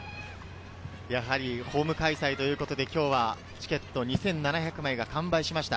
ホーム開催ということでチケット２７００枚が完売しました。